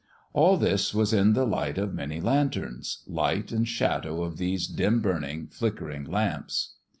All this was in the light of many lanterns light and shadow of these dim burning, flickering lamps.